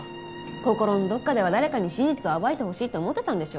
心のどこかでは誰かに真実を暴いてほしいって思ってたんでしょ。